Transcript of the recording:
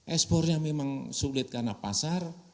ekspornya memang sulit karena pasar